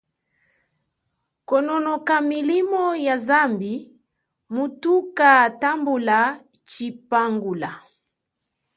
Kononoka kumilimo ya zambi mutukatambula tshipangula.